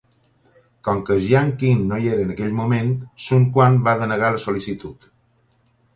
Com que Jiang Qin no hi era en aquell moment, Sun Quan va denegar la sol·licitud.